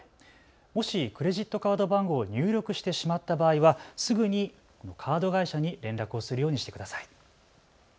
もしクレジットカード番号を入力してしまった場合はすぐにカード会社に連絡するようにしてください。